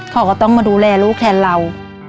เขาก็ต้องมาดูแลลูกแทนเรา